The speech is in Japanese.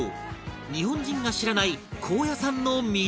日本人が知らない高野山の魅力とは？